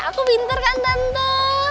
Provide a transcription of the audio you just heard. aku pinter kan tante